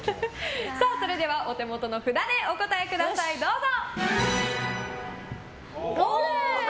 お手元の札でお答えくださいどうぞ！